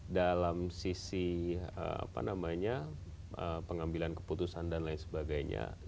dalam sisi pengambilan keputusan dan lain sebagainya